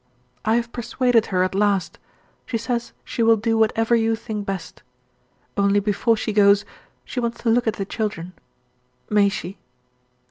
"I have persuaded her at last. She says she will do whatever you think best. Only before she goes, she wants to look at the children. May she?"